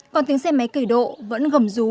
còn tiếng xe máy cây độ vẫn gầm rú